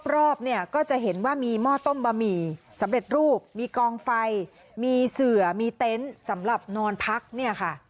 รอบเนี่ยก็จะเห็นว่ามีหม้อต้มบะหมี่สำเร็จรูปมีกองไฟมีเสือมีเต็นต์สำหรับนอนพักเนี่ยค่ะ